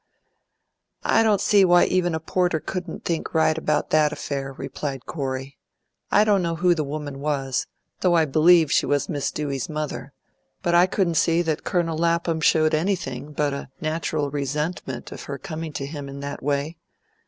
"I don't see why even a porter couldn't think right about that affair," replied Corey. "I don't know who the woman was, though I believe she was Miss Dewey's mother; but I couldn't see that Colonel Lapham showed anything but a natural resentment of her coming to him in that way.